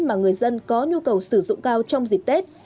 mà người dân có nhu cầu sử dụng cao trong dịp tết